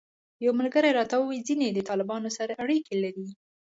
یو ملګري راته وویل ځینې د طالبانو سره اړیکې لري.